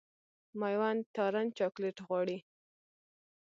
مېوند تارڼ چاکلېټ غواړي.